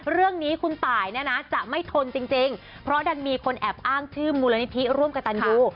เรื่องนี้คุณตายเนี่ยนะจะไม่ทนจริงเพราะดันมีคนแอบอ้างชื่อมูลนิธิร่วมกับตันยู